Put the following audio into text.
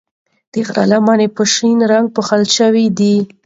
د غرو لمنې په شنه رنګ پوښل شوې دي.